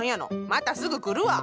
またすぐ来るわ。